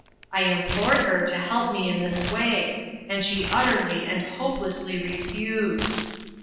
I implored her to help me in this way, and she ut terly and hopelessly refused.